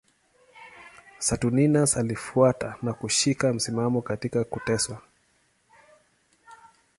Saturninus alifuata na kushika msimamo katika kuteswa.